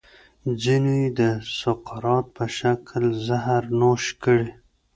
ځینو یې د سقراط په شکل زهر نوش کړي.